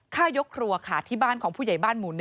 ยกครัวค่ะที่บ้านของผู้ใหญ่บ้านหมู่๑